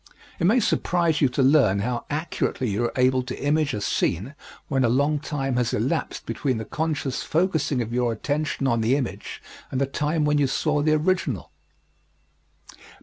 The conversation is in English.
It may surprise you to learn how accurately you are able to image a scene when a long time has elapsed between the conscious focussing of your attention on the image and the time when you saw the original.